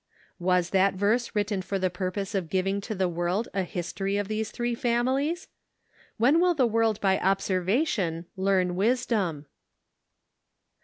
Was that verse written for the purpose of giving to the world a history of these three families? When will the world by observation learn wisdom?